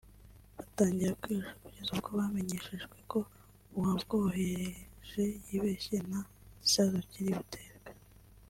batangira kwihisha kugeza ubwo bamenyeshejwe ko uwabwohereje yibeshye nta gisasu kiri buterwe